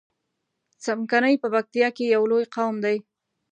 څمکني په پکتیا کی یو لوی قوم دی